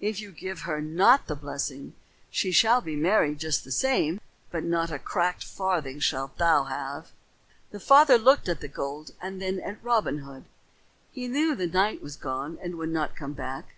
If you give her not the blessing, she shall be married just the same, but not a cracked farthing shalt thou have." The father looked at the gold and then at Robin Hood. He knew the knight was gone and would not come back.